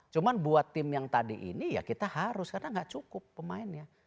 cuma buat tim yang tadi ini ya kita harus karena nggak cukup pemainnya